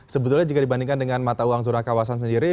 sebetulnya jika dibandingkan dengan mata uang zona kawasan sendiri